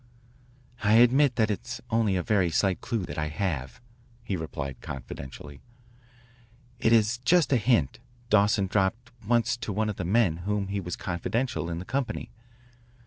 I admit that it is only a very slight clue that I have," he replied confidentially. "It is just a hint Dawson dropped once to one of the men with whom he was confidential in the company.